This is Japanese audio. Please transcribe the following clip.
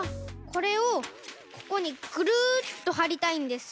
これをここにぐるっとはりたいんです。